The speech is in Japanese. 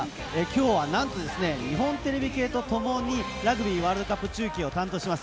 きょうはなんと日本テレビ系とともにラグビーワールドカップ中継を担当します